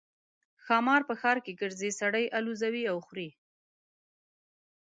ښامار په ښار کې ګرځي سړي الوزوي او خوري.